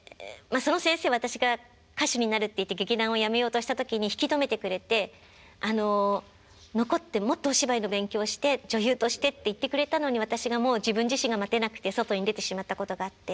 その先生私が歌手になるっていって劇団をやめようとした時に引き止めてくれて「残ってもっとお芝居の勉強して女優として」って言ってくれたのに私がもう自分自身が待てなくて外に出てしまったことがあって。